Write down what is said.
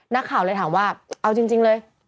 นักข่าวเลยถามว่าเอาจริงเลย